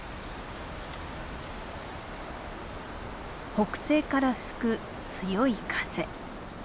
北西から吹く強い風。